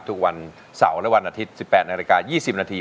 ทุกวันเสาร์และวันอาทิตย์๑๘นาฬิกา๒๐นาที